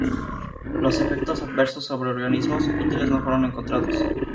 Los efectos adversos sobre organismos útiles no fueron encontrados.